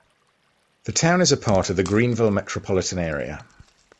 The town is a part of the Greenville Metropolitan Area.